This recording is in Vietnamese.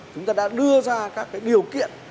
chúng ta đã đưa ra các điều kiện